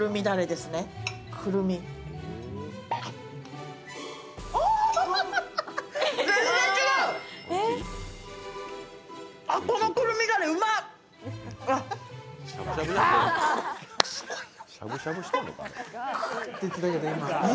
すごいよ。